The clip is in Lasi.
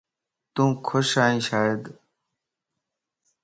تون خوش ائين شايد